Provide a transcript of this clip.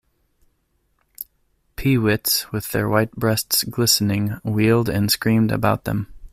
Peewits, with their white breasts glistening, wheeled and screamed about them.